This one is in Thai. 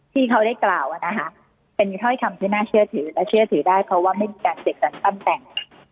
ที่เขาได้กล่าวเป็นถ้อยคำที่น่าเชื่อถือและเชื่อถือได้เพราะว่าไม่มีการเสียการตำแหน่ง